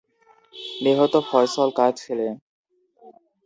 নিহত ফয়সল কার ছেলে?